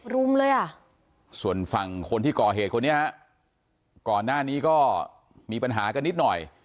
รุมเลยอ่ะส่วนฝั่งคนที่ก่อเหตุคนนี้ฮะก่อนหน้านี้ก็มีปัญหากันนิดหน่อย